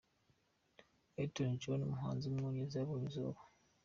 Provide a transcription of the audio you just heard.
Elton John, umuhanzi w’umwongereza yabonye izuba.